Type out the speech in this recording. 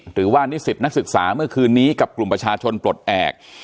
หรือว่านิสิตนักศึกษาเมื่อคืนนี้กับกลุ่มประชาชนปลดแอบ